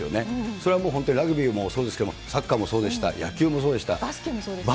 それはもう本当にラグビーもそうですけれども、サッカーもそうでバスケもそうですよね。